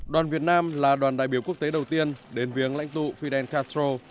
đoàn việt nam là đoàn đại biểu quốc tế đầu tiên đến viếng lãnh tụ fidel castro